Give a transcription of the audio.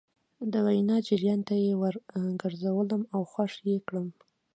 د وينا جريان ته يې ور ګرځولم او خوښ يې کړم.